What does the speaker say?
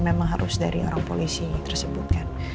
memang harus dari orang polisi tersebut kan